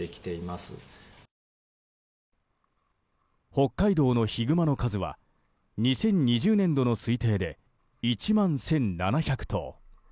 北海道のヒグマの数は２０２０年度の推定で１万１７００頭。